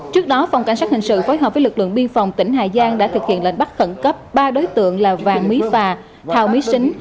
trước đó phòng cảnh sát hình sự phối hợp với lực lượng biên phòng tỉnh hà giang đã thực hiện lệnh bắt khẩn cấp ba đối tượng là vàng mí phà thào mí sính